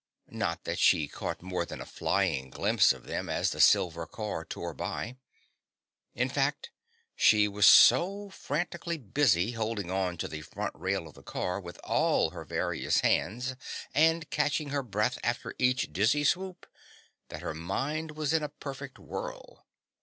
Not that she caught more than a flying glimpse of them as the silver car tore by. In fact, she was so frantically busy holding on to the front rail of the car with all her various hands and catching her breath after each dizzy swoop, that her mind was in a perfect whirl.